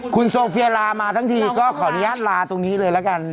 คุณโซเฟียลามาทั้งทีก็ขออนุญาตลาตรงนี้เลยละกัน